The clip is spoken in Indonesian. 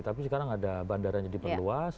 tapi sekarang ada bandara yang jadi perluas